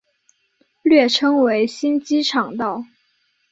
略称为新机场道。